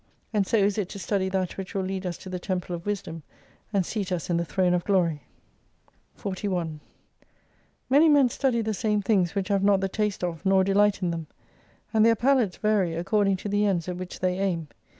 And so is it to study that which will lead us to the Temple of Wisdom, and seat us in the Throne of Glory. 41 Many men study the same things which have not the taste of, nor delight in them. And their palates vary according to the ends at which they aim.